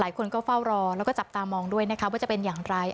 คนก็เฝ้ารอแล้วก็จับตามองด้วยนะคะว่าจะเป็นอย่างไร